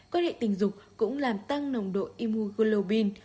quan hệ tình dục cũng làm tăng nồng độ imuglobin